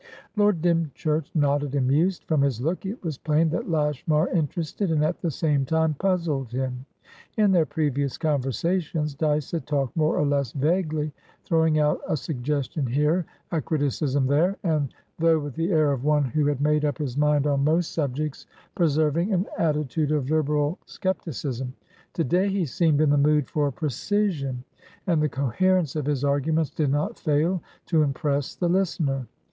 Lord Dymchurch nodded and mused. From his look it was plain that Lashmar interested, and at the same time, puzzled him. In their previous conversations, Dyce had talked more or less vaguely, throwing out a suggestion here, a criticism there, and, though with the air of one who had made up his mind on most subjects, preserving an attitude of liberal scepticism; to day he seemed in the mood for precision, and the coherence of his arguments did not fail to impress the listener.